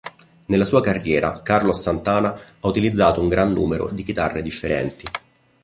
Nella sua carriera Carlos Santana ha utilizzato un gran numero di chitarre differenti.